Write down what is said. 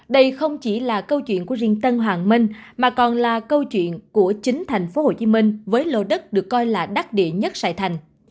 đây không chỉ là câu chuyện của riêng tân hoàng minh mà còn là câu chuyện của chính thành phố hồ chí minh với lô đất được coi là đắc địa nhất sắp tới